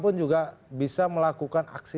pun juga bisa melakukan aksi